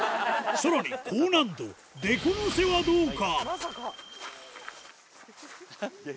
さらに高難度、デコ乗せはどうか。